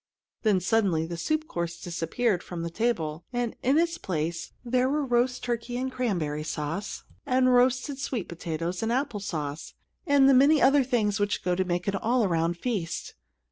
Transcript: Then suddenly the soup course disappeared from the table, and in its place there were roast turkey and cranberry sauce, and roasted sweet potatoes and apple sauce, and the many other things which go to make an all around feast.